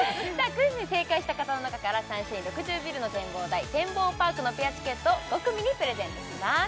クイズに正解した方の中からサンシャイン６０ビルの展望台てんぼうパークのペアチケットを５組にプレゼントします